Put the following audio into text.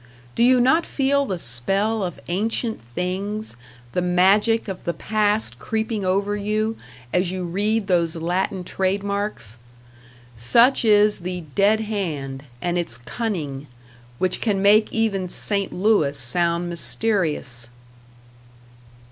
Do you not feel the spell of ancient things, the magic of the past creeping over you, as you read those Latin trade marks? Such is the Dead Hand, and its cunning, which can make even St. Louis sound mysterious!